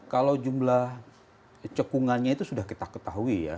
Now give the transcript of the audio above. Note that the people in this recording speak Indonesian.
kalau jumlah cekungannya itu sudah kita ketahui ya